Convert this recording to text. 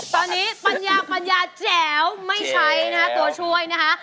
ตอนนี้ปัญญาแจ๋วไม่ใช้นะตัวช่วยนะฮะ